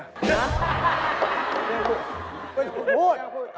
อย่าพูด